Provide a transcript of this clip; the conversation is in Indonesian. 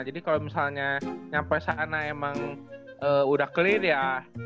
jadi kalau misalnya sampai sana emang udah clear ya